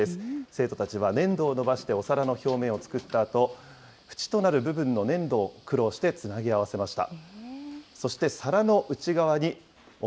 生徒たちは粘土を伸ばしてお皿の表面を作ったあと、ふちとなる部分の粘土を苦労してつなぎ合わせました。